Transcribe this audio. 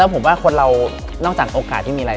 ผมว่าคนเรานอกจากโอกาสที่มีอะไร